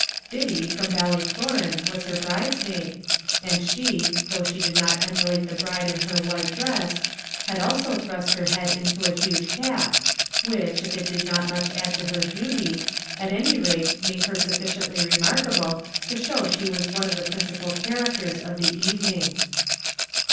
Biddy, from Ballycloran, was her bridesmaid, and she, though she did not emulate the bride in her white dress, had also thrust her head into a huge cap, which, if it did not much add to her beauty, at any rate made her sufficiently remarkable to show that she was one of the principal characters of the evening.